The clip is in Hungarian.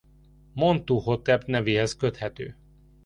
Montuhotep nevéhez köthető.